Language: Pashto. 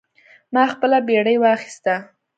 ما خپله بیړۍ واخیسته.